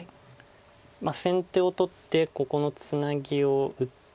先手を取ってここのツナギを打って。